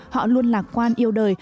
họ luôn lạc quan yêu đời